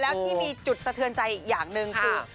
แล้วที่มีจุดสะเทือนใจอีกอย่างหนึ่งคือ